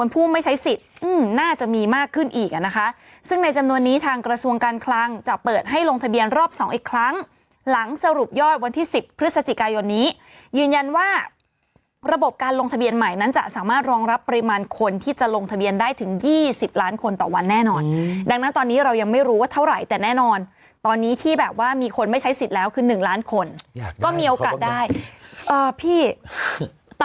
เผื่อให้ลงทะเบียนรอบ๒อีกครั้งหลังสรุปย่อยวันที่๑๐พฤศจิกายนนี้ยืนยันว่าระบบการลงทะเบียนใหม่นั้นจะสามารถรองรับปริมาณคนที่จะลงทะเบียนได้ถึง๒๐ล้านคนต่อวันแน่นอนดังนั้นตอนนี้เรายังไม่รู้ว่าเท่าไหร่แต่แน่นอนตอนนี้ที่แบบว่ามีคนไม่ใช้สิทธิ์แล้วคือ๑ล้านคนก็มีโอกาสได้พี่ต